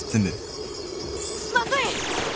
まずい！